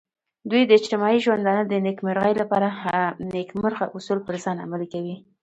دوی د اجتماعي ژوندانه د نیکمرغۍ لپاره نیکمرغه اصول پر ځان عملي کوي.